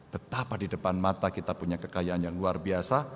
betapa di depan mata kita punya kekayaan yang luar biasa